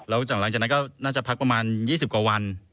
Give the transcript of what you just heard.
แล้วหลังจากนั้นก็น่าจะพักประมาณ๒๐กว่าวัน